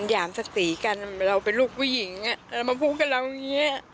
หยามศักดิ์ศรีกันเราเป็นลูกผู้หญิงเรามาพูดกับเราอย่างนี้